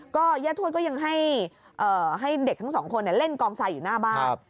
ก็ย่าทวดก็ยังให้เด็กทั้งสองคนเล่นกองทรายอยู่หน้าบ้าน